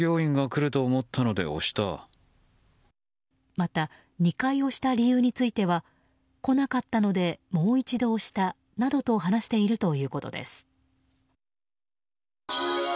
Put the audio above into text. また、２回押した理由については来なかったので、もう一度押したなどと話しているということです。